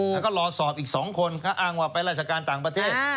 แล้วก็รอสอบอีก๒คนเขาอ้างว่าไปราชการต่างประเทศ